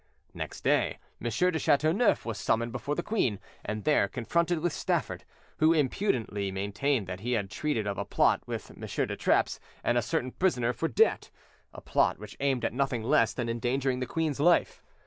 Next day, M. de Chateauneuf was summoned before the queen, and there confronted with Stafford, who impudently maintained that he had treated of a plot with M. de Trappes and a certain prisoner for debt—a plot which aimed at nothing less than endangering the Queen's life.